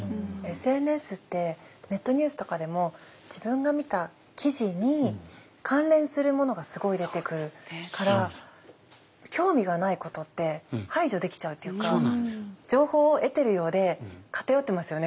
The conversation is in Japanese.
ＳＮＳってネットニュースとかでも自分が見た記事に関連するものがすごい出てくるから興味がないことって排除できちゃうっていうか情報を得てるようで偏ってますよね